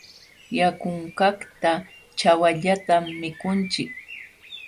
Yakunkaqta ćhawallatam mikunchik.